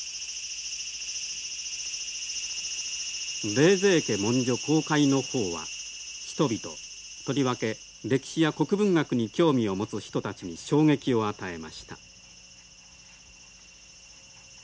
冷泉家文書公開の報は人々とりわけ歴史や国文学に興味を持つ人たちに衝撃を与えました。